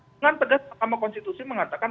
dengan tegas mahkamah konstitusi mengatakan